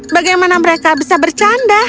bagaimana mereka bisa bercanda